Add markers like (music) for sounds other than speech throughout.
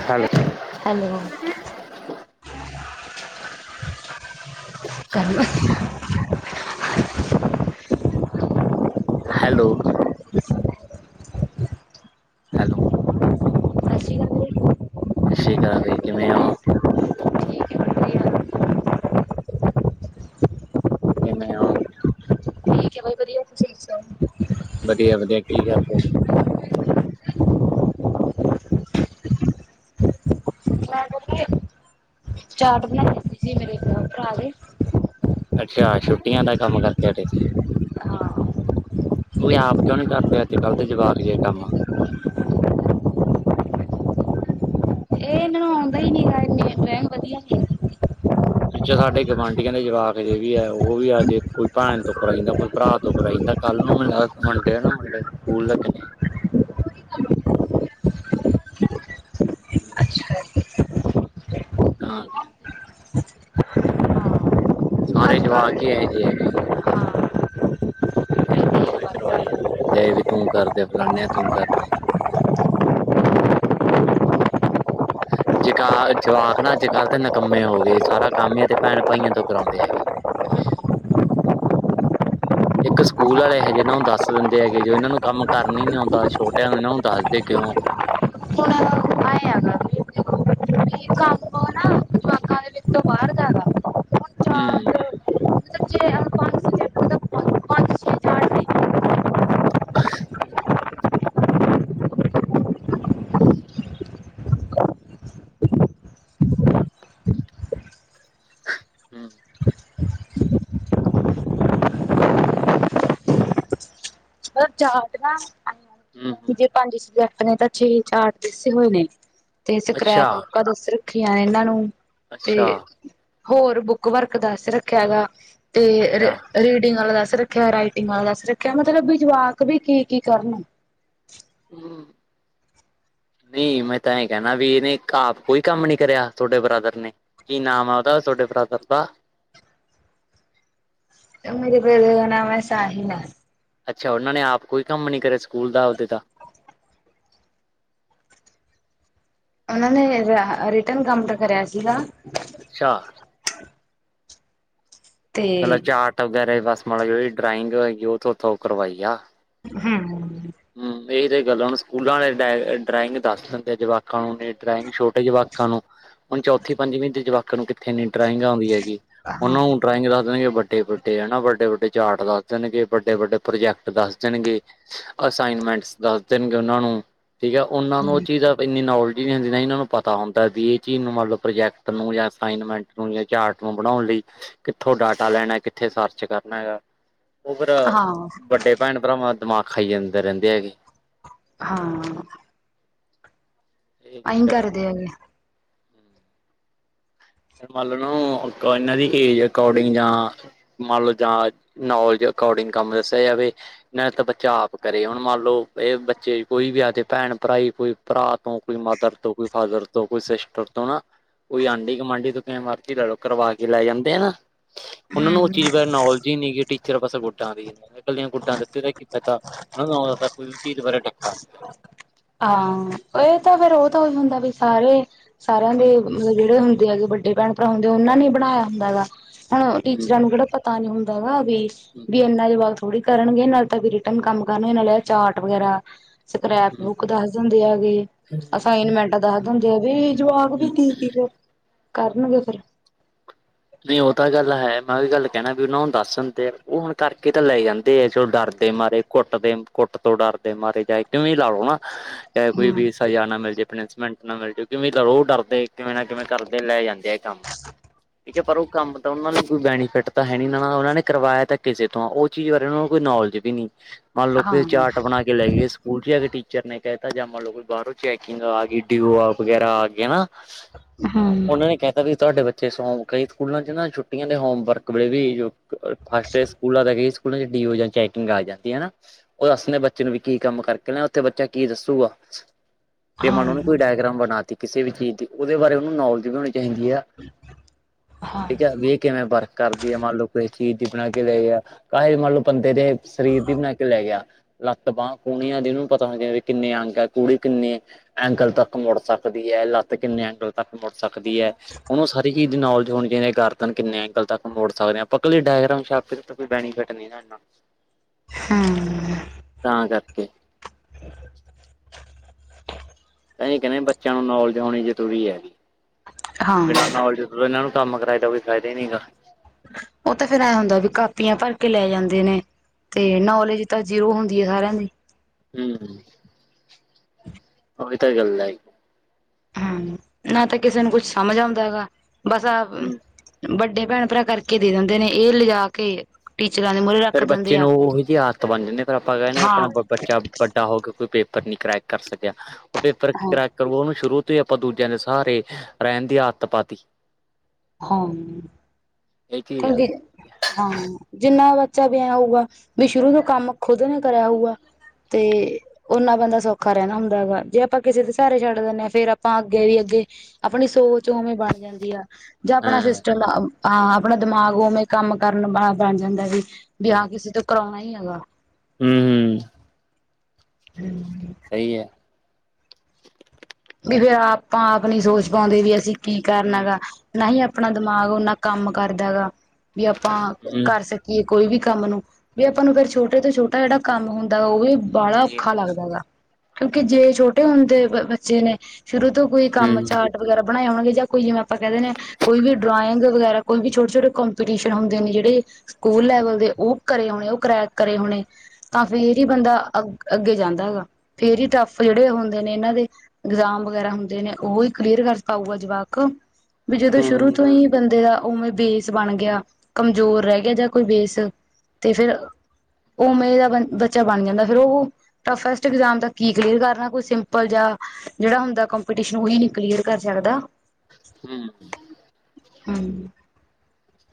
(inaudible) Hello (unintelligible) hello? Hello? ਸ਼੍ਰੀ ਅਕਾਲ ਵੀਰੇ ਸਤਿ ਸ਼੍ਰੀ ਅਕਾਲ ਜੀ ਕਿਵੇਂ ਹੋ। ਠੀਕ ਹੈ ਵਧੀਆ ਕਿਵੇਂ ਉਹ। (inaudible) (unintelligible) ਵਧੀਆ ਵਧੀਆ ਕੀ ਕਰਦੇ ਸੀ। ਚਾਟ ਬਣਾਈਤੀ ਸੀ ਮੇਰੇ ਭਰਾ ਦੇ ਅੱਛਾ ਛੁੱਟੀਆਂ ਦਾ ਕੰਮ ਕਰਕੇ ਹਟੇ ਸੀ। ਹਾਂ ਉਹ ਵੀ ਆਪ ਕਿਉਂ ਨੀ ਕਰਦੇ ਅੱਜ ਕੱਲ੍ਹ ਦੇ ਜਵਾਕ ਜਿਹੇ ਕੰਮ। ਇਹ ਇਹਨਾਂ ਨੂੰ ਆਉਂਦਾ ਹੀ ਨੀ ਹੈਗਾ ਵਧੀਆ ਨ ਵਿੱਚ ਸਾਡੇ ਗੁਆਂਢੀਆਂ ਦੇ ਜਵਾਕ ਜੇ ਵੀ ਹੈ ਉਹ ਵੀ ਆਜ ਕੋਈ ਭੈਣ ਤੋਂ ਕਰਾਇ ਜਾਂਦਾ' ਕੋਈ ਭਰਾ ਤੋਂ ਕਰਾਇ ਜਾਂਦਾ। ਕੱਲ੍ਹ ਨੂੰ ਮੈਂ ਮੁੰਡੇ ਨਾ ਮੁੰਡੇ ਸਕੂਲ ਲੱਕ ਨੇ (inaudible) ਹਾਂ। ਸਾਰੇ ਅੱਜ ਕੱਲ ਜਵਾਕ ਦੇ ਹੀ ਇਹੋ ਹੁਣ ਜੇ ਹੈਗੇ। ਇੱਕ ਉਹੀ ਕਰਵਾਈ ਜਾਂ ਰਹਿੰਦੇ ਵੀ ਤੂੰ ਕਰਦੇ'ਫਲਾਾਨੇ ਆ ਤੂੰ ਕਰਦੇ। ਜਕਾ ਜਵਾਕ ਨਾ ਅੱਜ ਕੱਲ੍ਹ ਤੇ ਨਿਕੰਮੇ ਹੋ ਗਏ ਸਾਰਾ ਕੰਮ ਹੀ ਤੇ ਭੈਣ ਭਾਈਆਂ ਤੋਂ ਕਰਾਉਂਦੇ ਹੈਗੇ। ਇੱਕ ਸਕੂਲ ਆਲੇ ਹੈਗੇ ਨਾ ਉਹ ਦੱਸ ਦਿੰਦੇ ਹੈਗੇ ਜੋ ਇਹਨਾ ਨੂੰ ਕੰਮ ਕਰਨ ਹੀ ਨੀ ਆਉਂਦਾ ਛੋਟਿਆਂ ਨੂੰ ਇਹਨਾ ਨੂੰ ਦੱਸਦੇ ਕਿਉਂ। ਆਏ ਹੈਗਾ ਵੀ ਦੇਖੋ ਵੀ ਕੰਮ ਨਾ ਜਵਾਕਾਂ ਦੇ ਵਿੱਚ ਤੋਂ ਬਾਹਰ ਦਾ ਹੈਗਾ ਹੁਣ ਹਮ। ਚਾਰਟ ਮਤਲਬ ਜੇ ਪੰਜ ਸਬਜੈਕਟ ਮਤਲਬ ਪੰਜ ਛੇ ਚਾਰਟ ਨੇ (unintelligible) ਹਮ (inaudible) ਹਮ। ਜਾਤ ਨਾ ਹਮ ਜੇ ਪੰਜ ਸਜੈਕਟ ਨੇ ਤਾਂ ਛੇ ਚਾਰ ਦੱਸੇ ਹੋਏ ਨੇ ਤੇ ਅੱਛਾ ਸਕਰੈਪ ਬੁੱਕਾਂ ਤੇ ਸਿਰਫ ਰੱਖੀਆ ਇਹਨਾ ਨੂੰ ਤੇ ਅੱਛਾ ਹੋਰ ਬੁੱਕ ਵਰਕ ਦੱਸ ਰੱਖਿਆ ਗਾ। ਤੇ ਅੱਛਾ ਰੀਡਿੰਗ ਵਾਲਾ ਦੱਸ ਰੱਖਿਆ ਰਾਈਟਿੰਗ ਵਾਲਾ ਦੱਸ ਰੱਖਿਆ ਮਤਲਬ ਵਿ ਜਵਾ ਕ ਵੀ ਕੀ-ਕੀ ਕਰਨ। ਹਮ ਨੀ ਮੈਂ ਤਾ ਆਈ ਕਹਿਨਾ ਵੀ ਇਹਨੇ ਆਪ ਕੋਈ ਕੰਮ ਨੀ ਕਰਿਆ ਤੁਹਾਡੇ ਬ੍ਰਦਰ ਨੇ। ਕੀ ਨਾਮ ਆ ਉਹਦਾ ਤੁਹਾਡੇ ਬ੍ਰਦਰ ਦਾ। ਮੇਰੇ ਬ੍ਰਦਰ ਦਾ ਨਾਮ ਹੈ ਸਾਹਿਨਾਸ। ਅੱਛਾ ਉਹਨਾ ਨੇ ਆਪ ਕੋਈ ਕੰਮ ਨੀ ਕਰੇ ਸਕੂਲ ਦਾ ਉਹਦੇ ਦਾ। ਉਹਨਾ ਨੇ ਰਿਟਰਨ ਕੰਮ ਤਾ ਕਰਿਆ ਸੀਗਾ। ਅੱਛਾ। ਤੇ ਪਹਿਲਾ ਚਾਰਟ ਵਗੈਰਾ ਬਸ ਮਤਲਬ ਜਿਹੜੀ ਡਰਾਇੰਗ ਹੋਗੀ ਉਹ ਉੱਥੋਂ ਕਰਵਾਈ ਆ। ਹਮ। ਹਮ ਇਹ ਤੇ ਗੱਲਾ ਸਕੂਲਾ ਵਾਲੇ ਡਰਾਇੰਗ ਦੱਸ ਦਿੰਦੇ ਜਵਾਕਾ ਨੂੰ ਡਰਾਇੰਗ ਛ ਟੇ ਜਵਾਕਾਂ ਨੂੰ ਹੁਣ ਚੌਥੀ ਪੰਜਵੀਂ ਦੇ ਜਵਾਕਾਂ ਨੂੰ ਕਿੱਥੇ ਇੰਨੀ ਡਰਾਇੰਗ ਆਉਂਦੀ ਹੈਗੀ। ਹਾਂ ਉਹਨੂੰ ਡਰਾਇੰਗ ਰੱਖ ਦੇਗੇ ਬ ਵੱਡੇ-ਵੱਡੇ ਹਨਾ ਵੱਡੇ-ਵੱਡੇ ਚਾਰਟ ਦੱਸ ਜਾਣਗੇ ਵੱਡੇ-ਵੱਡੇ ਪ੍ਰੋਜੈਕਟ ਦੱਸ ਜਾਣਗੇ। ਅਸਾਈਨਮੈਂਟਸ ਦੱਸ ਦੇਣਗੇ ਉਹਨਾਂ ਨੂੰ ਠੀਕ ਹੈ ਉਹਨਾਂ ਨੂੰ ਉਹ ਚੀਜ਼ਾਂ ਇੰਨੀ ਨੋਲਜੀ ਨੀ ਹੁੰਦੀ ਨਾ ਇਹਨਾ ਨੂੰ ਪਤਾ ਹੁੰਦਾ ਵੀ ਇਹ ਚੀਜ਼ ਨੂੰ ਮਤਲਬ ਪ੍ਰੋਜੈਕਟ ਨੂੰ ਜਾ ਅਸਾਈਨਮੈਂਟ ਚਾਰਟ ਨੂੰ ਬਣਾਉਣ ਲਈ ਕਿੱਥੋਂ ਡਾਟਾ ਲੈਣਾ ਕਿੱਥੇ ਸਰਚ ਕਰਨਾ ਹੈਗਾ। ਉਹ ਫਿਰ ਹਾਂ ਵੱਡੇ ਭੈਣ ਭਰਾਵਾਂ ਦਿਮਾਗ ਖਾਈ ਜਾਂਦੇ ਰਹਿੰਦੇ ਹੈਗੇ। ਹਾਂ ਇਹ ਆਈ ਚੱਕਰ ਆ ਕਰ ਦੇ ਹੈਗੇ। ਕਰਨ ਵਾਲੇ ਨੂੰ (unintelligible) ਏਜ ਅਕੋਰਡਿੰਗ ਜਾਂ ਮੰਨ ਲੋ ਜਾਂ ਨੋਲਜ ਅਕੋਰਡਿੰਗ ਕੰਮ ਦੱਸਿਆ ਜਾਵੇ ਨਾਲੇ ਤੇ ਬੱਚਾ ਆਪ ਕਰੇ, ਹੁਣ ਮੰਨ ਲਓ, ਏ ਬੱਚੇ ਕੋਈ ਵੀ ਆਪਦੇ ਭੈਣ ਭਰਾ ਈ ਕੋਈ ਭਰਾ ਤੋਂ, ਕੋਈ ਮਦਰ ਤੋਂ, ਕੋਈ ਫਾਦਰ ਤੋਂ, ਕੋਈ ਸਿਸਟਰ ਤੋਂ ਨਾ, ਕੋਈ ਆਂਢੀ ਗੁਆਂਢੀ ਜਿਥੋਂ ਤੁਸੀ ਮਰਜ਼ੀ ਲੈ ਲਓ ਕਰਵਾ ਕੇ ਲੈ ਜਾਂਦੇ ਆ ਨਾ, ਉਹਨਾਂ ਨੂੰ ਉਹ ਹਮ ਚੀਜ਼ ਨੋਲੇਜ ਹੀ ਨੀ ਜੇੜੀ ਚਿਰੋਂ ਪਾਸੇ ਗੁੱਡਾਂ ਦੀ ਮੈਂ ਕਿਹਾ ਇਕੱਲੀਆਂ ਗੁੱਡਾਂ ਦਿੱਤੇ ਤੇ ਕੀ ਪਤਾ, ਉਹਨਾਂ ਨੂੰ ਉਹਨਾਂ ਦਾ ਕੋਈ ਵੀ ਚੀਜ਼ ਬਾਰੇ ਡੱਕਾ ਨਹੀਂ ਹਗਾ। ਹਾਂ, ਇਹ ਤਾਂ ਫੇਰ ਉਹ ਤਾਂ ਹੀ ਹੁੰਦਾ ਵੀ ਸਾਰੇ, ਸਾਰਿਆਂ ਦੇ ਨਹੀਂ ਮਤਲਬ ਜਿਹੜੇ ਹੁੰਦੇ ਹੈਗੇ ਵੱਡੇ ਭੈਣ ਭਰਾ ਹੁੰਦੇ ਆ, ਉਹਨਾਂ ਨੇ ਬਣਾਇ ਹੁੰਦਾ ਹੈਗਾ, ਹੁਣ ਹੂੰ ਟੀਚਰਾਂ ਨੂੰ ਕਿਹੜਾ ਪਤਾ ਨੀ ਹੁੰਨ (unintelligible) ਵੀ, ਹੂੰ ਵੀ ਇਨਾ ਦੀ ਬੋਤ ਥੋੜੀ ਕਰਨਗੇ, ਨਾਲ ਤਾਂ ਰਿਟਰਨ ਕੰਮ ਕਰਨਗੇ, ਨਾਲੇ ਚਾਰਟ ਵਗੈਰਾ ਸਕਰੈਪ ਹੂੰ ਬੁੱਕ ਦੱਸ ਦਿੰਦੇ ਆ ਵੀ ਹੂੰ ਅਸਾਈਨਮੈਂਟ ਦੱਸ ਦਿੰਦੇ ਆ ਵੀ, ਜਵਾਕ ਵੀ (unintelligible) ਕੀ ਫਿਰ ਕਰਨਗੇ ਫੇਰ। ਨਹੀਂ ਉਹ ਤਾਂ ਗੱਲ ਹੈ ਮੈਂ ਉਹ ਵੀ ਗੱਲ ਕਹਿਣਾ ਵੀ ਉਹਨਾਂ ਹੁਣ ਦੱਸ ਦਿੰਦੇ ਆ, ਉਹ ਹੁਣ ਕਰਕੇ ਤਾਂ ਲੈ ਜਾਂਦੇ ਆ, ਚਲੋ ਡਰਦੇ ਮਾਰੇ। ਕੁੱਟਦੇ, ਕੁੱਟ ਤੋਂ ਡਰਦੇ ਮਾਰੇ, ਚਾਹੇ ਕਿਵੇ ਲਾ ਲੋ ਨਾ, ਚਾਹੇ ਕੋਈ ਹੂੰ ਵੀ ਫਰਯਾ ਨਾ ਮਿਲ ਜੇ, ਪੈਨਿਸ਼ਮੈਂਟ ਨਾ ਮਿਲ ਜੇ, ਕਿਵੇਂ ਰੋਹ ਡਰਦੇ ਕਿਵੇਂ ਨਾ ਕਿਵੇਂ ਕਰਦੇ ਲੈ ਜਾਂਦੇ ਆ ਕੰਮ। (inaudible) ਠੀਕ ਹੈ, ਪਰ ਉਹ ਕੰਮ ਤਾਂ ਉਹਨਾਂ ਨੇ ਕੋਈ ਬੈਨੀਫਿਟ ਤਾਂ ਹੈ ਨੀ ਉਹਨਾਂ ਨੇ ਕਰਵਾਇਆ ਤਾਂ ਕਿਸੇ ਤੋਂ ਉਹ ਚੀਜ਼ ਬਾਰੇ ਉਹਨਾਂ ਨੂੰ ਕੋਈ ਨੌਲੇਜ ਵੀ ਨੀ, ਮਨ ਲੋ ਹਾਂ ਕੋਈ ਹੂੰ ਚਾਰਟ ਬਣਾ ਅਗੇ ਲੈ ਗਏ ਸਕੂਲ 'ਚ ਲੈ ਗਏ ਟੀਚਰ ਨੇ ਕਹਿ ਜਾਂ, ਮੰਨ ਲਓ ਕੋਈ ਬਾਹਰੋਂ ਚੈਕਿੰਗ ਆ ਗਈ ਡਿਓ ਔਫ ਵਗੈਰਾ ਆ ਗਈਆਂ ਨਾ ਉਹਨਾਂ ਨੇ ਕਹਤਾ ਵੀ ਤੁਹਾਡੇ ਬੱਚੇ ਸੋ ਕਈ ਸਕੂਲਾਂ ਚ ਨਾ ਛੁੱਟੀਆਂ ਦੇ ਹੋਮ ਵਰਕ ਵੇਲੇ ਵੀ, (unintelligible) ਫ਼ਸਟ ਡੇ ਸਕੂਲ ਹੈਗਾ ਜੀ (unintelligible) ਡੀਓ ਜਾਂ ਚੈਕਿੰਗ ਆ ਜਾਂਦੀ ਹੈ ਨਾ। ਉਹ ਦੱਸਦੇ ਬੱਚੇ ਨੂੰ ਵੀ ਕੀ ਕੰਮ ਕਰਕੇ ਨਾ, ਉੱਥੇ ਬੱਚਾ ਕੀ ਦੱਸੂਗਾ। ਜੇ ਮੰਨ ਲੋ ਓਹਨੇ ਕੋਈ ਡਾਇਗਰਾਮ ਬਣਾ ਤੀ ਕਿਸੇ ਵੀ ਚੀਜ਼ ਦੀ, ਉਹਦੇ ਬਾਰੇ ਉਹਨੂੰ ਨੌਲੇਜ ਵੀ ਹੋਣੀ ਚਾਹੀਦੀ ਆ। (inaudible) ਠੀਕ ਹੈ ਵੀ ਕਿਵੇਂ ਵਰਕ ਕਰਦੀ ਆ, ਮੰਨ ਲਓ ਕੋਈ ਚੀਜ਼ ਦੀ ਬਣਾ ਕੇ ਲੈ ਗਯਾ ਕਾਹ ਮੰਨ ਲਓ ਬੰਦੇ ਦੇ ਸਰੀਰ ਦੀ ਬਣਾ ਕੇ ਲੈ ਗਿਆ। ਲੱਤ, ਬਾਂਹ, ਕੂਨੀਆਂ ਦੀ, ਉਹਨੂੰ ਪਤਾ ਹੋ ਕਿੰਨੇ ਅੰਗ ਹੈ (unintelligible) ਕਿੰਨੇ ਐਂਕਲ ਤੱਕ ਮੁੜ ਸਕਦੀ ਹੈ, ਲੱਤ ਕਿੰਨੇ ਐਂਗਲ ਤੱਕ ਮੁੜ ਸਕਦੀ ਹੈ, ਉਹੁਣੂੰ ਸਾਰੀ ਚੀਜ਼ ਨੌਲੇਜ ਹੋਣੀ ਚਾਹਦੀ, ਗਰਦਨ ਕਿੰਨੇ ਐਂਗਲ ਤੱਕ ਮੋੜ ਸਕਦੇ ਆ, ਆਪਾ ਕਲੇ ਡਾਇਗ੍ਰਾਮ ਛਾਪ ਕੇ ਤੇ ਕੋਈੈ ਬੇਨੀਫਿਟ ਨਹੀਂ। (unintelligible) ਹਮ। ਤਾਂ ਕਰਕੇ (inaudible) ਤਾਂਹੀ ਕਹਿੰਨੇ ਬੱਚਿਆਂ ਨੂੰ ਨੌਲੇਜ ਹੋਣੀ ਜ਼ਰੂਰੀ ਹੈਗੀ, ਬਿਨਾਂ ਹਾਂ ਨੌਲੇਜ ਮਤਲਬ ਇਹਨਾਂ ਨੂੰ ਕੰਮ ਕਰਾਏ ਦਾ ਕੋਈ ਫਾਇਦਾ ਈ ਨੀ ਹੈਗਾ। ਉਹ ਤਾਂ ਫੇਰ ਐ ਹੁੰਦੇ, ਵੀ ਕਾਪੀਆਂ ਭਰ ਕੇ ਲੈ ਜਾਂਦੇ ਨੇ ਤੇ ਨੌਲੇਜ ਤਾਂ ਜੀਰੋ ਹੁੰਦੀ ਹੈ ਸਾਰਿਆਂ ਦੀ। ਹੂੰ। (inaudible) ੳਹੀ ਤੇ ਗੱਲ ਐ। ਹਾਂ, ਨਾ ਤਾਂ ਕਿਸੇ ਨੂੰ ਕੁਛ ਸਮਝ ਆਉਂਦਾ ਹੈਗਾ, ਬਸ ਆਪ ਹੂੰ ਵੱਡੇ ਭੈਣ-ਭਰਾ ਕਰਕੇ ਦੇ ਦਿੰਦੇ ਨੇ ਇਹ ਲਿਜਾ ਕੇ। ਟੀਚਰਾਂ ਨੇ ਮੁਹ ਫੇਰ ਬੱਚੇ ਨੂੰ ਉਹੋ ਜਿਹੀ ਆਦਤ ਬਨ ਜਾਂਦੀ ਏ, ਫਿਰ ਆਪਾਂ ਕਹਿੰਦੇ ਹਾਂ ਆਪਣਾ ਬੱਚਾ ਵੱਡਾ ਹੋ ਕੇ ਕੋਈ ਪੇਪਰ ਨੀ ਕਰੇਕ ਕਰ ਸਕਿਆ, ਉਹ ਪੇਪਰ ਹਾਂ ਕਰੈਕ ਫੇਰ ਉਹਨੂੰ ਸ਼ੁਰੂ ਤੋਂ ਹੀ ਆਪਾਂ ਦੂਜਿਆਂ ਦੇ ਸਹਾਰੇ ਰਹਿਣ ਦੀ ਆਦਤ ਪਾ ਤੀ। ਹਾਂ। ਇਹ ਚੀਜ਼ ਆ (unintelligible) ਹਾਂ, ਜਿੰਨਾ ਬੱਚਾ ਵਿਆਊਗਾ ਵੀ ਸ਼ੁਰੂ ਤੋਂ ਕੰਮ ਖੁਦ ਨੂੰ ਕਰਾਉਗਾ। ਤੇ ਓਨਾ ਬੰਦਾ ਸੌਖਾ ਰਹਿੰਨਾ ਹੁੰਦਾ ਹੈਗਾ, ਜੇ ਆਪਾਂ ਕਿਸੇ ਦੇ ਸਹਾਰੇ ਛੱਡ ਦਿੰਦੇ ਹਾਂ ਫੇਰ ਆਪਾਂ ਅੱਗੇ ਵੀ ਅੱਗੇ ਆਪਣੀ ਸੋਚ ਉਵੇ ਬਣ ਜਾਂਦੀ ਆ। ਜਾ ਆਪਣਾ ਹਾਂ ਸਿਸਟਮ ਹਾ ਆਪਣਾ ਦਿਮਾਗ ਉਵੇਂ ਕੰਮ ਕਰਨ ਵਾਲਾ ਬਣ ਜਾਂਦਾ ਵੀ ਵਿ ਹਾਂ ਹੂੰ ਕਿਸੇ ਤੋਂ ਕਰਾਉਣਾ ਹੀ ਹੈਗਾ। ਹੂੰ ਹੂੰ, ਸਹੀ ਹੈ। ਵੀ ਫੇਰ ਆਪਾਂ ਆਪਨੀ ਸੋਚ ਪਾਉਂਦੇ ਵੀ ਅਸੀਂ ਕੀ ਕਰਨਾ ਹੂੰ ਗਾ। ਨਾ ਹੀ ਆਪਣਾ ਦਿਮਾਗ ਓਨਾ ਕੰਮ ਕਰਦਾ ਗਾ ਵੀ ਆਪਾ ਹੂੰ ਹੂੰ ਕਰ ਸ ਕੀ ਕੋਈ ਵੀ ਕੰਮ ਨੂੰ ਵੀ ਆਪਾ ਨੂੰ ਫੇਰ ਛੋਟੇ ਤੋਂ ਛੋਟਾ ਜਿਹੜਾ ਕੰਮ ਹੁੰਦਾ ਉਹ ਵੀ ਬਾਲਾ ਔਖਾ ਲੱਗਦਾ ਗਾ ਕਿਉਂਕਿ ਜੇ ਛੋਟੇ ਹੁੰਦੇ ਬੱਚੇ ਨੇ ਸ਼ੁਰੂ ਤੋ ਕੋਈ ਕੰਮ ਚਾਰਟ ਵਗੈਰਾ ਬਣਾਏ ਹੋਣਗੇ ਜਾਂ ਕੋਈ ਜਿਵੇਂ ਆਪਾ ਕਹਿਦੇ ਹਾ ਕੋਈ ਵੀ ਡਰਾਇੰਗ ਵਗੈਰਾ ਕੋਈ ਵੀ ਛੋਟੇ-ਛੋਟੇ ਕੰਪੀਟੀਸ਼ਨ ਹੁੰਦੇ ਨੇ ਜਿਹੜੇ ਸਕੂਲ ਲੈਵਲ ਦੇ ਉਹ ਕਰੇ ਹੋਣੇ ਉਹ ਕਰੈਕ ਕਰੇ ਹੋਣੇ। ਤਾਂ ਫੇਰ ਹੀ ਬੰਦਾ ਅ ਅੱਗੇ ਜਾਂਦਾ ਹੈਗਾ ਫੇਰ ਹੀ ਟੱਫ ਜਿਹੜੇ ਹੁੰਦੇ ਨੇ ਇਹਨਾਂ ਦੇ ਇਗਜ਼ਾਮ ਵਗੈਰਾ ਹੁੰਦੇ ਨੇ ਉਹ ਹੀ ਕਲੀਅਰ ਕਰ ਪਾਉਗਾ ਜਵਾਕ। ਵੀ ਜਦੋਂ ਸ਼ੁਰੂ ਤੋਂ ਹੀ ਬੰਦੇ ਦਾ ਉਵੇਂ ਬੇਸ ਬਣ ਗਿਆ ਕਮਜ਼ੋਰ ਰਹਿ ਗਿਆ ਜਾ ਕੋਈ ਬੇਸ ਤੇ ਫੇਰ ਉਹ ਮੇ ਦਾ ਬ ਬੱਚਾ ਬਣ ਜਾਂਦਾ ਫੇਰ ਉਹ ਟਫਸਟ ਇਗਜ਼ਾਮ ਦਾ ਕੀ ਕਲੀਅਰ ਕਰਨਾ ਕੋਈ ਸਿੰਪਲ ਜਾਂ। ਜਿਹੜਾ ਹੁੰਦਾ ਕੰਪ ਉਹੀ ਨ ਕਲੀਅਰ ਕਰ ਸਕਦਾ। ਹੂੰ, ਹਮ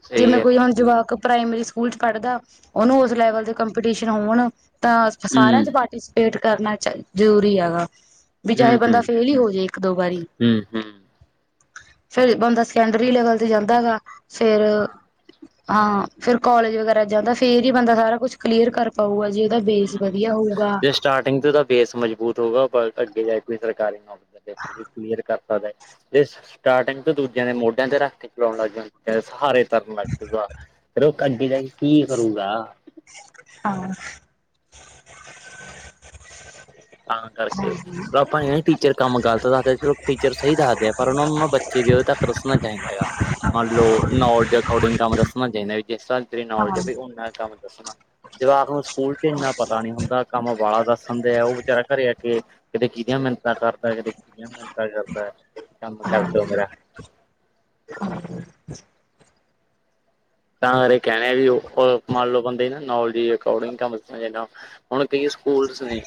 ਸਹੀ ਜਿਵੇਂ ਗੱਲ ਕੋਈ ਹੈ ਹੁਣ ਜਵਾਕ ਪ੍ਰਾਈਮਰੀ ਸਕੂਲ ਚ ਪੜ੍ਹਦਾ ਉਹਨੂੰ ਉਸ ਲੈਵਲ ਦੇ ਕੰਪੀਟੀਸ਼ਨ ਹੋਣ ਤਾ ਸਾਰਿਆ ਹੂੰ ਚ ਪਾਰਟੀ ਵੇਟ ਕਰਨਾ ਜਰੂਰੀ ਹੈਗਾ ਵੀ ਹੂੰ ਚਾਹੇ ਹੂੰ ਬੰਦਾ ਫੇਲ ਹੀ ਹੋ ਜਾੇ ਇੱਕ ਦੋ ਵਾਰੀ। ਹੂੰ ਹੂੰ ਫੇਰ ਬੰਦਾ ਸੈਕੰਡਰੀ ਲੈਵਲ ਤੇ ਜਾਂਦਾ ਗਾ ਫੇਰ। ਹਾਂ ਫੇਰ ਕੋਾਲਜ ਵਗੈਰਾ ਜਾਂਦਾ ਫੇਰ ਹੀ ਬੰਦਾ ਸਾਰਾ ਕੁਛ ਕਲੀਅਰ ਕਰ ਪਾਊਗਾ ਜੇ। ਉਹਦਾ ਬੇਸ ਵਧੀਆ ਹੋਊਗਾ। ਸਿੰਘ ਦਾ ਬੇਸ ਮਜ਼ਬੂਤ ਹੋਊਗਾ ਅੱਗੇ ਜਾ ਕੋਈ ਸਰਕਾਰੀ ਨੌਕਰੀ ਕੋਲੀਅਰ ਕਰ ਸਕਦਾ। ਜ ਸਟਾਰਟਿੰਗ ਚ ਦੂਜਿਆਂ ਦੇ ਮੋਢਿਆਂ ਤੇ ਰੱਖ ਕੇ ਚਲਾਉਣ ਲੱਗ ਜਾਂ ਸਹਾਰੇ। ਨਾਗਾ ਫਿਰ ਉਹ ਅੱਡੀ ਦਾ ਕੀ ਕਰੂਗਾ। ਹਾਂ, ਤਾਂ ਕਰਕੇ ਆਪਾਂ ਇਹ ਟੀਚਰ। ਕੰਮ ਗਲਤ ਦੱਸਦੇ ਚਲੋ ਟੀਚਰ ਸਹੀ ਦੱਸਦੇ ਆ ਪਰ ਉਹ ਨੂੰ ਬੱਚੇ ਦੀ ਉਦੋਂ ਤੱਕ ਦੱਸਣਾ ਚਾਹੀਦਾ ਹੈਗਾ। ਮੰਨ ਲਓ ਨੌਲਜ ਅਕੋਰਡਿੰਗ ਕੰਮ ਦੱਸਣਾ ਚਾਹੀਦਾ ਵੀ ਜਿਸ ਹਿਸ ਹਾਂ ਨੌਲਜ ਜਾ ਹਾਂ ਉਹਨਾ ਕੰਮ। ਦੱਸਣਾ ਜਵਾਕ ਨੂੰ ਸਕੂਲ ਚ ਇੰਨਾ ਪਤਾ ਨੀ ਹੁੰਦਾ ਕੰਮ ਵਾਲਾ ਦੱਸਣਦੇ ਆ ਉਹ ਵਿਚਾਰਾ ਘਰੇ ਆ ਕੇ ਕਿਤੇ ਕਿਹਦੀਆਂ ਮਿਹਨਤਾਂ ਕਰਦਾ ਕਿਤੇ ਕਿ ਮ ਕੰਮ ਕਰ ਹਾਂ ਦਉ ਮੇਰਾ (unintelligible) ਤਾਂ ਇਹ ਕਹਿਣੇ ਵੀ ਉਹ ਮੰਨ ਲਓ ਬੰਦੇ ਨਾ ਨਲ ਜ ਅਕੋਡਿੰਗ ਕ (unintelligible) ਹੁਣ ਕਈ ਸਕੂਲਸ ਨੇ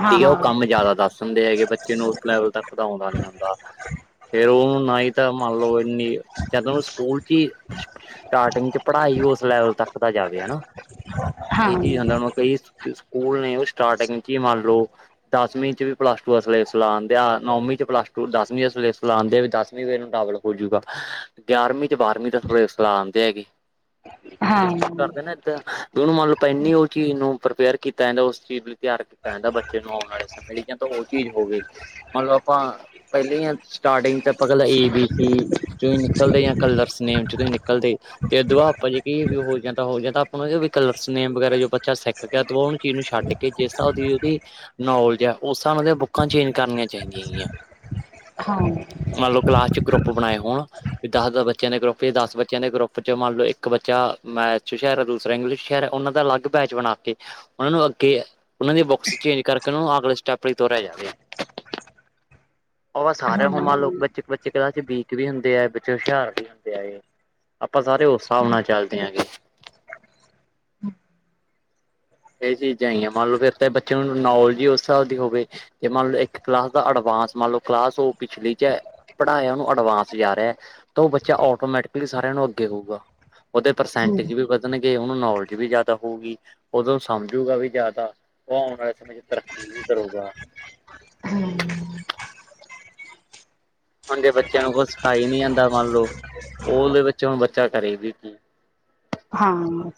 ਹਾਂ ਦੀ ਆ ਉਹ ਹਾਂ ਕੰਮ ਜ਼ਿਆਦਾ ਦੱਸ। ਦੇ ਹੈਗੇ ਬੱਚੇ ਨੂੰ ਉਸ ਲੈਵਲ ਤੱਕ ਪਧਾਉਂਦਾ ਨੀ ਹੁੰਦਾ ਫੇਰ ਉਹਨੂੰ ਨਾ ਹੀ। ਮਲਬ ਇਨੀ ਚਦ ਸਕੂਲ ਚ ਸਟਾਰਟਿੰਗ ਚ ਪੜ੍ਹਾਈ ਉਸ ਲੈਵਲ ਤੱਕ ਦਾ ਜਾਵੇ ਹਨਾ ਹਾਂ ਇਹ ਚੀਜ਼ ਹਾਂ ਹੁੰ ਕਈ ਸਕੂਲ ਨੇ ਉਹ ਸਟਾਰਟਿੰਗ ਚ ਹੀ ਮੰਨ ਲਓ। ਦਸਵੀਂ ' ਵੀ ਪਲੱਸ ਟੂ ਦਾ ਸਲੇਸਲਾ ਆਉਂਦੇ ਆ ਨੌਵੀਂ ' ਪਲੱਸਸ ਟੂ ਦਸਵੀਂ ਦਾ ਸਲੇਸਲਾ ਆਉਂਦੇ ਵੀ ਦਸਵੀਂ ਵੀ ਇਹਨੂੰ ਡਬਲ ਹੋਜੂਗਾ ਗਿਆਰਵੀਂ ਤੇ ਬਾਰਵੀਂ ਦਾ ਥੋੜੇ ਸਲਾਹ ਆਉਂਦੇ ਹੈਗੇੇ ਹਾਂ ਸਕੂਲ ਕਰਦੇ ਨੇ। ਦੋਨੂੰ ਮੰਨ ਲਓ ਇੰਨੀ ਉਹ ਚੀਜ਼ ਨੂੰ ਪ੍ਰਪੇਅਰ ਕੀਤਾ ਜਾਂਦਾ ਉਸ ਚੀਜ਼। ਤਿਆਰ ਕੀਤਾ ਜਾਂਦਾ ਬੱਚੇ ਨੂੰ ਆਉਣ ਵਾਲੇ ਸਮੇਂ ਲਈ ਜਾਂ ਤਾਂ ਉਹ ਚੀਜ਼ ਹੋਵੇ ਮਤਲਬ ਆਪਾਂ। ਪਹਿਲੇ ਸਟਾਰਟਿੰਗ ਚ ਆਪਾਂਗਲਾਂ ਏ ਬੀ ਸੀ ਚ ਹੀ ਨਿਕਲਦੇ ਹ ਕਲਰਸ ਨੇੇਮ। ਨਿਕਲਦੇ ਤੇ ਦੁਆ ਆਪਾਂ ਜੇ ਕੀ ਵੀ ਹੋ ਜਾਂਦਾ ਹੋ ਜਾਂਦਾ। ਵੀ ਕਲਰਸ ਨੇੇਮ ਵਗੈਰਾ ਜੋ ਬੱਚਾ ਸਿੱਖ ਗਿਆ ਉਹਨੂੰ ਚੀਜ਼ ਨੂੰ ਛੱਡ ਕੇ ਜਿਸ ਤਰ੍ਹਾ ਦੀ ਉਹਦੀ ਨਾ ਉਲ ਜਾ ਉਸ ਹਿਸਾਬ ਨਾਲ ਤਾਂ ਬੁੱਕਾਂ ਚੇਂਜ ਕਰਨੀਆਂ ਚਾਹੀਦੀਆਂ ਹੈਗੀਆਂ ਹਾਂ ਮੰਨ ਲਓ ਕਲਾਸ ਚ ਗਰੂਪ ਗਰੁਪ ਬਣਾਏ ਹੋਣ ਵੀ ਦਸ ਦਸ ਬੱਚਿਆਂ ਦੇ ਗਰੁਪ ਫੇਰ ਦਸ ਬੱਚਿਆਂ ਦੇ ਗਰੁੱਪ ਚ ਮੰਨ ਲਓ ਇੱਕ ਬੱਚਾ ਮੈਥ ਚ ਹੋਸ਼ਿਆਰ ਦੂਸਰਾ ਇੰਗਲਿਸ਼ ਚ ਹੋਸ਼ਿਆਰ ਏ ਅਲੱਗ ਬੈਚ ਬਣਾ ਕੇ ਉਹਨਾਂ ਨੂੰ ਅੱਗੇ ਉਹਨਾ ਦੀ ਬੁੱਕਸ ਚੇਂਜ ਕਰਕੇ ਉਹਨ ਨੂੰ ਅਗਲੇ ਸਟੈਪ ਲਈ ਤੋਰਿਆ ਜਾਵੇ। ਉਹ ਸਾਰੇ ਹੋਮ ਆ ਲੋਕ ਬੱਚੇ (unintelligible) ਇਕ ਬੱਚੇ ਕਲਾਸ ਚ ਵੀਕ ਵੀ ਹੁੰਦੇ ਏ, ਬੱਚੇ ਹੁਸ਼ਿਆਰ ਵੀ ਹੁੰਦੇ ਏ, ਆਪਾਂ ਸਾਰੇ ਉਸ ਹਿਸਾਬ ਨਾਲ ਚੱਲ ਦੇ ਹੈਗੇ। ਹਮ (inaudible) ਇਹ ਚੀਜ਼ਾਂ ਹੈ ਹੀ ਏ, ਮੰਨ ਲਓ ਫਿਰ ਤਾਂ ਬੱਚੇ ਨੂੰ ਨੌਲੇਜ ਹੀ ਉਸ ਹਿਸਾਬ ਦੀ ਹੋਵੇ। ਤੇ ਮੰਨ ਲੋ ਇੱਕ ਕਲਾਸ ਦਾ ਅਡਵਾਂਸ ਮੰਨ ਲਓ ਕਲਾਸ ਉ ਪਿਛਲੀ ਚ ਪੜ੍ਹਾਇਆ ਉਹਨੂੰ ਅਡਵਾਂਸ ਜਾ ਰਿਹਾ ਤਾਂ ਉਹ ਬੱਚਾ ਆਟੋਮੈਟਿਕਲੀ ਸਾਰਿਆਂ ਨੂੰ ਅੱਗੇ ਹੋਊਗਾ, ਉਹਦੇ ਪਰਸੈਂਟੇਜ ਵੀ ਵਦ ਣਗੇ ਉਹਨੂੰ ਨੌਲੇਜ ਵੀ ਜ਼ਿਆਦਾ ਹੋਊਗੀ, ਉਦੋਂ ਸਮਝੂਗਾ ਵੀ ਜ਼ਿਆਦਾ ਉਹ ਆਉਣ ਵਾਲ ਸਮੇ ਚ ਤਰੱਕੀ ਵੀ ਕਰੂਗਾ। ਹੂੰ ਹੁਣ ਜੇ ਬੱਚਿਆਂ ਨੂੰ ਕੋਛ ਸਿਖਾਈ ਨੀ ਜਾਂਦਾ, ਮੰਨ ਲਓ ਉਹਦੇ ਵਿੱਚ ਹੁਣ ਬੱਚਾ ਕਰੇ ਵੀ ਕੀ ਹਾਂ,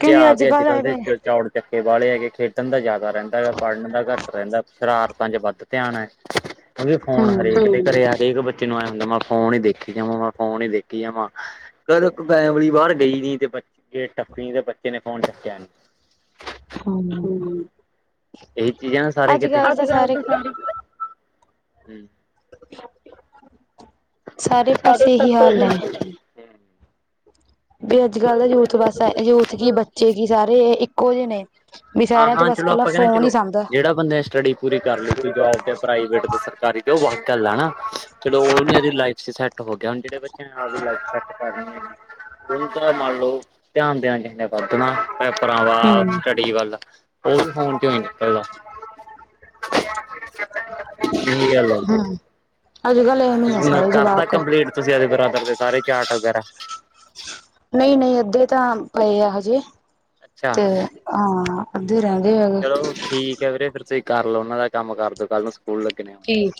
ਤੇ ਅੱਜ ਕੱਲ ਐਵੇਂ ਝਾੜੂ ਚੱਕੇ ਵਾਲੇ ਹੈਗੇ ਖੇਡਣ ਦਾ ਜ਼ਿਆਦਾ ਰਹਿੰਦਾ ਹੈਗਾ ਪੜ੍ਹਨ ਦਾ ਘਟ। ਰਹਿੰਦਾ ਸ਼ਰਾਰਤਾਂ ਚ ਵੱਧ ਧਿਆਨ ਏ, ਕਿਉਂਕਿ ਫੋਨ ਹਰੇਕ ਹੂੰ ਦੇ ਘਰੇ ਹੈਗੇ ਇਕ। ਏਨੂ ਏ ਹੁੰਦਾ ਮੈਂ ਫੋਨ ਹੀ ਦੇਖੀ ਜਾਵਾਂ, ਮੈਂ ਫੋਨ ਹੀ ਦੇਖੀ ਜਾਵਾਂ। ਕੱਲ ਇੱਕ ਫੈਮਿਲੀ ਬਾਹਰ ਗਈ ਦੀ ਤੇ ਬੱਚੇ ਪੀ ਦੇ ਬੱਚੇ ਨੇ ਫੋਨ ਚੁੱਕਿਆ ਨਹੀ। ਹੂੰ ਏ ਸੀ ਆ ਸਾਰੇ ਕਿਤੇ, ਅਜ ਕਲ ਤਾਂ ਸਾਰੇ ਕਿਤੇ ਹੂੰ। ਸਾਰੇ ਪਾਸੇ ਇਹੀ ਹਾਲ ਨੇ। ਪਾਸੇ ਹੀ ਵੀਰੇ ਅੱਜ ਕੱਲ ਦਾ ਯੂਥ ਬਸ ਯੂਥ ਕੀ ਹੂੰ ਬੱਚੇ ਕੀ ਸਾਰੇ ਇੱਕੋ ਜਿਹੇ ਨੇ। ਵੀ ਸਾਰੇਆ ਤੋਂ ਹਾਂ-ਹਾਂ ਬਸ ਇਕੱਲਾ ਫੋਨ ਹੀ ਸੰਭਲਦਾ। ਪੜਾਈ ਪੂਰੀ ਕਰ ਲਈ ਫਿਰ ਜੋਬ ਤੇ ਪ੍ਰਾਈਵੇਟ ਤੇ ਸਰਕਾਰੀ ਦੇ ਉਹ ਵੱਖ ਗੱਲ ਆ ਨਾ, ਚਲੋ ਉਹਨ ਇਹ ਲਾਈਫ ਚ ਸੈਟ। ਟ ਹੋ ਗਿਆ ਹੁਣ ਜਿਹੜੇ ਬੱਚਿਆ ਨੇ ਆਪਦੀ ਲਾਈਫ ਸੈਟ ਕਰਨੀ ਹੈਗੀ। ਉਹਦਾ ਮੰਨ ਲਓ ਧਿਆਨ ਦੇਣਾ ਚਾਹੀਦਾ ਵਧਣਾ ਪੇਪਰਾਂ ਵਲ। ਹੂੰ ਸਹੀ ਗੱਲ ਆ, ਉਹ ਵੀ ਫੋਨ ਚੋ ਨਹੀ ਨਿਕਲਦਾ। ਇਹੀ ਗੱਲ ਆ ਹੂੰ ਅੱਜ ਕੱਲ ਐਵੇਂ ਆ ਸਾਰੇ ਕਰਤਾ ਜਵਾਕ ਕੰਪਲੀਟ ਤੁਸੀਂ ਐਦੇ ਬਰਾਦਰ ਦੇ ਸਾਰੇ ਚਾਰਟ ਵਗੈਰਾ। ਨਹੀਂ ਨਹੀਂ ਅੱਧੇ ਤਾਂ ਪਏ ਆ ਹਜੇ ਅੱਛਾ ਤੇ ਹਾਂ। ਅੱਧੇ ਰਹਿ ਗਏ ਹੈਗੇ। ਚਲੋ ਠੀਕ ਹੈ ਵੀਰੇ ਫ਼ਿਰ ਤੁਸੀਂ ਕਰ ਲਓ ਉਹਨਾਂ ਦਾ ਕੰਮ ਕਰ ਦਿਓ ਕੱਲ੍ਹ ਨੂੰ ਸਕੂਲ ਲੱਗਣੇ ਏ। ਠੀਕ